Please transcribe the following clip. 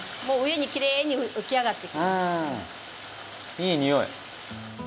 いい匂い。